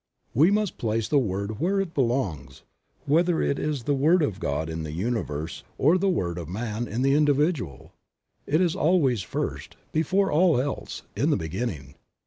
We must place the Word where it belongs, whether it is the word of God in the Universe or the word of man in the individual; it is always first, before all else, in the beginning.